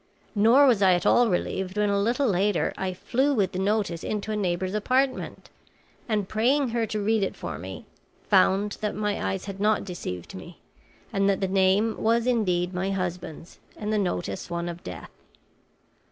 Nor was I at all relieved when a little later I flew with the notice into a neighbor's apartment, and praying her to read it for me, found that my eyes had not deceived me and that the name was indeed my husband's and the notice one of death.